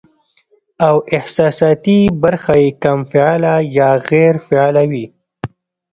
او احساساتي برخه ئې کم فعاله يا غېر فعاله وي